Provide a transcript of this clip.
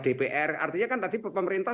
dpr artinya kan tadi pemerintah